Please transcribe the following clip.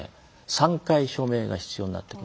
３回署名が必要になってくる。